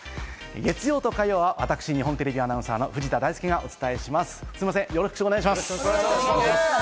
月曜と火曜は私、日本テレビアナウンサーの藤田大介がお伝えします、よろしくお願いします。